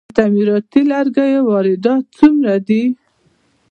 د تعمیراتي لرګیو واردات څومره دي؟